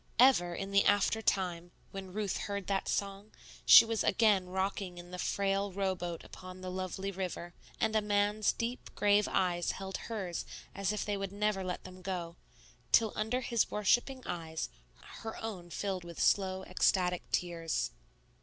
Ever, in the after time, when Ruth heard that song, she was again rocking in the frail row boat upon the lovely river, and a man's deep, grave eyes held hers as if they would never let them go, till under his worshipping eyes her own filled with slow ecstatic tears.